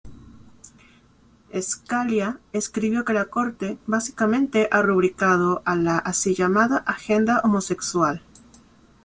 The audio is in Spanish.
Scalia escribió que la corte "básicamente ha rubricado a la así llamada agenda homosexual.